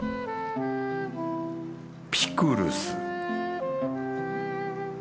ピクルス？